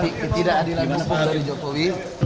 ketidakadilan hukum dari joko widodo